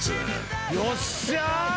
よっしゃ！